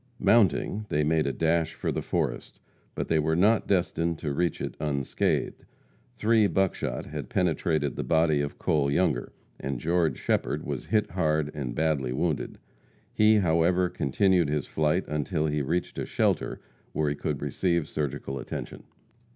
Mounting, they made a dash for the forest. But they were not destined to reach it unscathed. Three buckshot had penetrated the body of Cole Younger, and George Shepherd was hit hard and badly wounded. He, however, continued his flight until he reached a shelter where he could receive surgical attention.